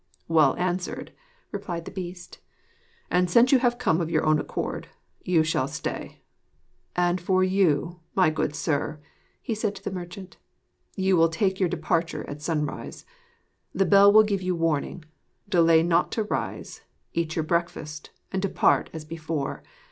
'Well answered,' replied the Beast; 'and since you have come of your own accord, you shall stay. As for you, my good sir,' said he to the merchant, 'you will take your departure at sunrise. The bell will give you warning; delay not to rise, eat your breakfast, and depart as before.